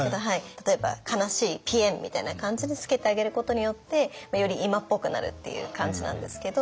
例えば「悲しいぴえん」みたいな感じでつけてあげることによってより今っぽくなるっていう感じなんですけど。